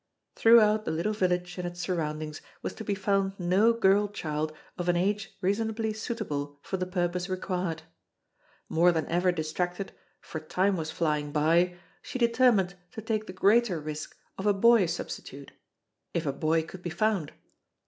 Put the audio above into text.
Throughout the little village and its surroundings was to be found no girl child of an age reasonably suitable for the purpose required. More than ever distracted, for time was flying by, she determined to take the greater risk of a boy substitute if a boy could be found.